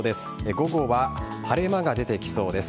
午後は晴れ間が出てきそうです。